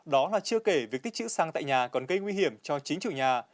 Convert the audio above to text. đó là chưa kể việc tích chữ xăng tại nhà còn gây nguy hiểm cho chính chủ nhà